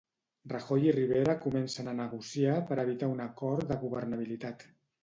Rajoy i Rivera comencen a negociar per evitar un acord de governabilitat.